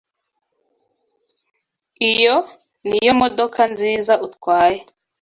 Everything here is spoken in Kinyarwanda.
Iyo niyo modoka nziza utwaye.